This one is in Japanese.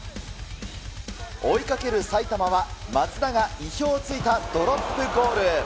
追いかける埼玉は松田が意表をついたドロップゴール。